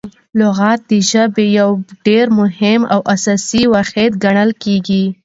لغت د ژبي یو ډېر مهم او اساسي واحد ګڼل کیږي.